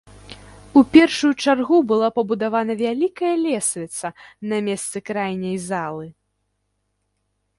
У першую чаргу была пабудавана вялікая лесвіца на месцы крайняй залы.